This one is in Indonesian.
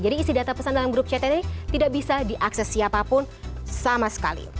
jadi isi data pesan dalam group chat ini tidak bisa diakses siapapun sama sekali